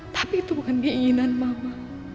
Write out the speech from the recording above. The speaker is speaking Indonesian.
tapi itu bukan keinginan mama